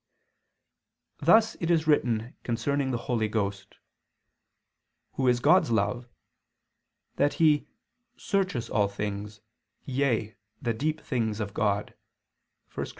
Thus it is written concerning the Holy Ghost, Who is God's Love, that He "searcheth all things, yea the deep things of God" (1 Cor.